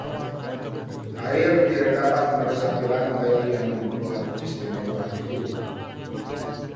air tidak dapat meresapi lantai yang dibuat istimewa itu